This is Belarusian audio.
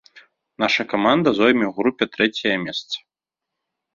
Наша каманда зойме ў групе трэцяе месца.